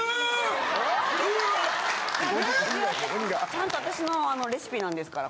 ちゃんと私のレシピなんですから。